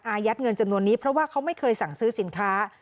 ยัดเงินจำนวนนี้เพราะว่าเขาไม่เคยสั่งซื้อสินค้า